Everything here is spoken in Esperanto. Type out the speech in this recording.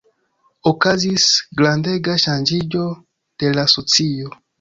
Okazis grandega ŝanĝiĝo de la socio.